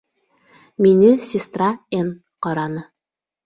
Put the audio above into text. Мине сестра Н. ҡараны.